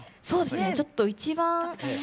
そうですねちょっと一番。